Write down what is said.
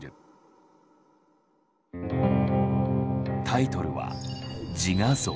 タイトルは「自画像」。